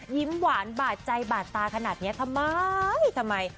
ยิ้มหวานบาดใจบาดตาขนาดนี้ทำไมทำไม